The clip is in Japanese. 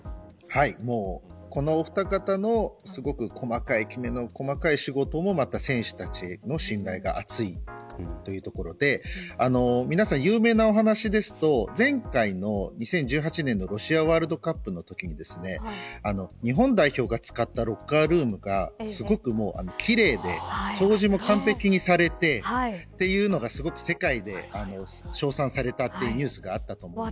このお二方のすごく細かい、きめ細かい仕事もまた選手たちの信頼が厚いというところで有名なお話ですと前回の２０１８年のロシアワールドカップのときに日本代表が使ったロッカールームがすごく奇麗で掃除も完璧にされてということが、すごく世界で称賛されたというニュースがありました。